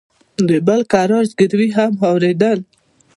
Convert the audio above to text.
او د بل کرار زگيروي هم واورېدل.